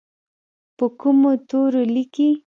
په کومو تورو لیکي؟